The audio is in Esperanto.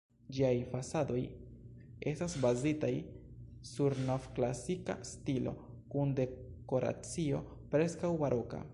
Ĝiaj fasadoj estas bazitaj sur nov-klasika stilo, kun dekoracio preskaŭ-baroka.